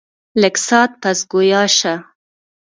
لږ ساعت پس ګویا شۀ ـ